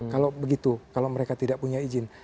kalau begitu kalau mereka tidak punya izin